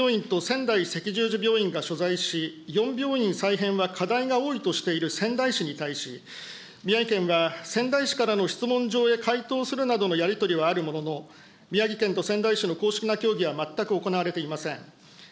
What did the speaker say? しかし、東北労災病院と仙台赤十字病院が所在し、４病院再編は課題が多いとしている仙台市に対し、宮城県は仙台市からの質問状へ、回答するなどのやり取りはあるものの、宮城県と仙台市の公式な協議は全く行われていません。